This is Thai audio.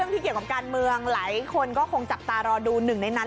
ที่เกี่ยวกับการเมืองหลายคนก็คงจับตารอดูหนึ่งในนั้น